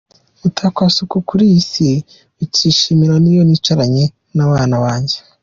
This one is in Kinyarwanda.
Mutakwasuku: Kuri iyi si, ikinshimisha n’iyo nicaranye n’abana banjye.